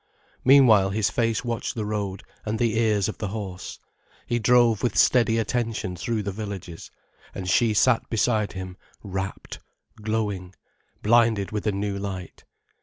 Meanwhile his face watched the road and the ears of the horse, he drove with steady attention through the villages, and she sat beside him, rapt, glowing, blinded with a new light.